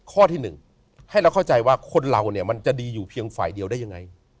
ข้อที่๑ให้เราเข้าใจว่าคนเราเนี่ยมันจะดีอยู่เพียงฝ่ายเดียวได้ยังไง